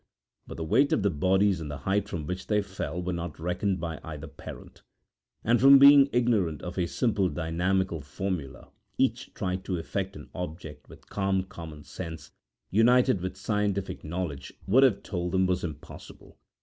But the weight of the bodies and the height from which they fell were not reckoned by either parent, and from being ignorant of a simple dynamical formula each tried to effect an object which calm, common sense, united with scientific knowledge, would have told them was impossible.